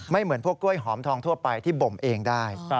เหมือนพวกกล้วยหอมทองทั่วไปที่บ่มเองได้